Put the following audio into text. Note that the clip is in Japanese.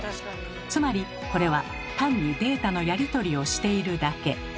つまりこれは単にデータのやり取りをしているだけ。